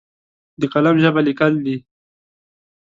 د قلم ژبه لیکل دي!